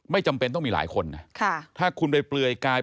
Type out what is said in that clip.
จำเป็นต้องมีหลายคนนะถ้าคุณไปเปลือยกาย